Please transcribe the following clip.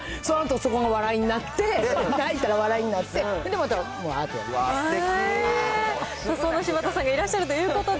そのあと、そこの笑いになって、泣いたら笑いになって、また、わーって。